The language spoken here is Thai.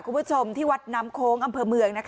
คุณผู้ชมที่วัดน้ำโค้งอำเภอเมือง